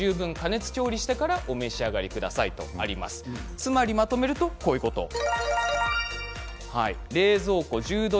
つまり、まとめるとこういうことです。